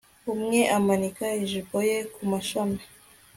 Umwe amanika ijipo ye kumashami